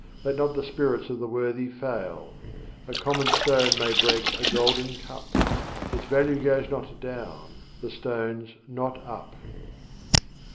Let not the spirits of the worthy fail : A common stone may break a golden cup ; Its value goes not down, the stone's not up.